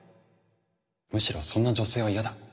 むしろそんな女性は嫌だ。